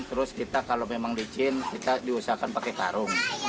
terus kita kalau memang licin kita diusahakan pakai karung